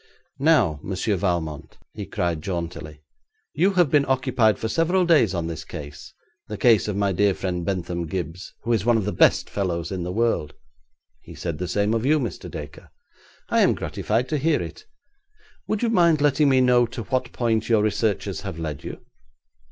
'Now, Monsieur Valmont,' he cried jauntily, 'you have been occupied for several days on this case, the case of my dear friend Bentham Gibbes, who is one of the best fellows in the world.' 'He said the same of you, Mr. Dacre.' 'I am gratified to hear it. Would you mind letting me know to what point your researches have led you?'